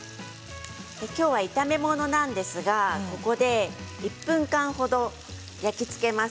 今日は炒め物なんですがここで１分間程焼き付けます。